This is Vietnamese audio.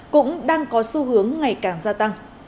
cũng đang có xu hướng ngày càng gia tăng